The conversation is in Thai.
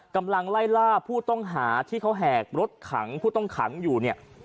กำลังไล่ล่าผู้ต้องหาที่เขาแหกรถขังผู้ต้องขังอยู่เนี่ย